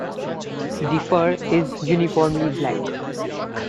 The fur is uniformly black.